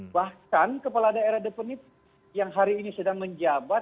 bahkan kepala daerah depenit yang hari ini sedang menjabat